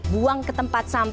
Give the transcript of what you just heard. buang ke tempat sama